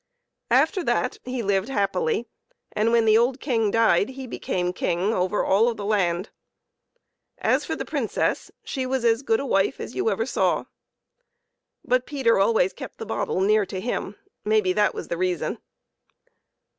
After that he lived happily, and when the old King died he became King over all of the land. As for the Princess, she was as good a wife as you ever saw, but Peter always kept the bottle near to him maybe that was the reason.